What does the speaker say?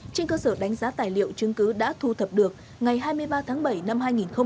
trên cơ sở đánh giá tài liệu chứng cứ đã thu thập được ngày hai mươi ba tháng bảy năm hai nghìn hai mươi ba